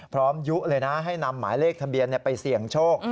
ยุเลยนะให้นำหมายเลขทะเบียนไปเสี่ยงโชค